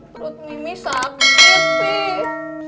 perut mimi sakit sih